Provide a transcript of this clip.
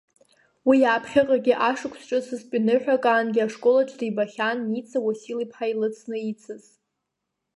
Уи аԥхьаҟагьы ашықәсҿыцызтәи ныҳәак аангьы ашкол аҿы дибахьан Ница Уасил-иԥҳа илыцны ицаз.